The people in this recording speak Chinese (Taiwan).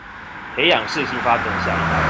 培養適性發展的下一代